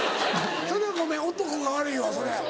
それはごめん男が悪いわそれ。